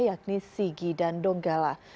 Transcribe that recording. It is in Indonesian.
yakni sigi dan donggala